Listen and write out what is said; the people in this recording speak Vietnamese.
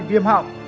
hai viêm họng